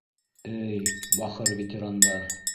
Эй, бахыр ветерандар...